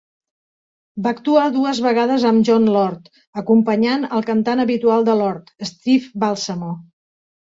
Va actuar dues vegades am Jon Lord, acompanyant al cantant habitual de Lord, Steve Balsamo.